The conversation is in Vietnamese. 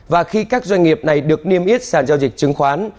và khi các doanh nghiệp này được niêm yết sản giao dịch chứng khoán